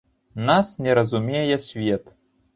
Нас не разумее свет.